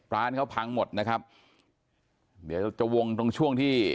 ร้านเขาพังหมดนะครับเดี๋ยวจะวงตรงช่วงที่